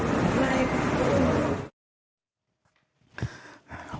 อ่าครับ